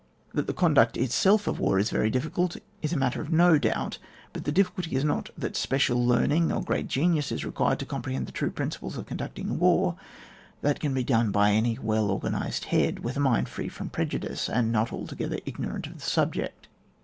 That the conduct itself of war is very difficult is a matter of no doubt ; but the difficulty is not that special learning, or g^eat genius, is required to comprehend the true principles of conducting war; that can be done by any well organised head, with a mind free from prejudice, and not altogether ignorant of the sub ject.